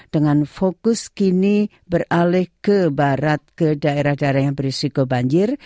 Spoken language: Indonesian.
dengan fokus kini beralih ke barat ke daerah daerah yang berisiko banjir